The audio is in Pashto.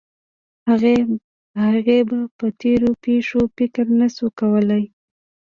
هغې به په تېرو پېښو فکر نه شو کولی